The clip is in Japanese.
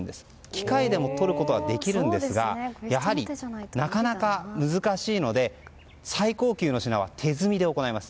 機械でも取ることはできるんですがやはりなかなか難しいので最高級の品は手摘みで行います。